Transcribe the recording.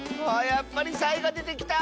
やっぱりサイがでてきた！